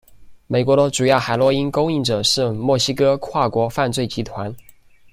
美国的主要海洛因供应者是墨西哥跨国犯罪集团。